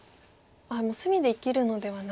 もう隅で生きるのではなく。